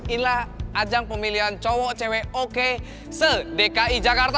inilah ajang pemilihan cowok cewek oke se dki jakarta dua ribu enam belas